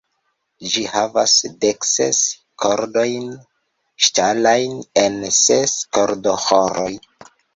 Ĝi havas dekses kordojn ŝtalajn en ses kordoĥoroj.